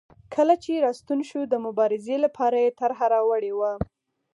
کله چې راستون شو د مبارزې لپاره یې طرحه راوړې وه.